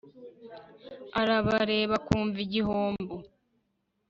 arabareba akumva igihombo